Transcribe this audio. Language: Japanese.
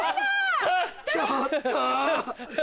ちょっと。